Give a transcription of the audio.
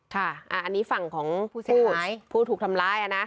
ค่ะอันนี้ฝั่งของผู้เสียหายผู้ถูกทำร้ายนะ